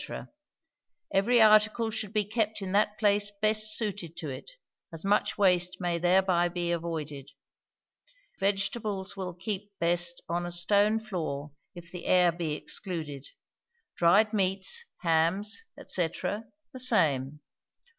Every article should be kept in that place best suited to it, as much waste may thereby be avoided. Vegetables will keep best on a stone floor if the air be excluded. Dried meats, hams, &c., the same.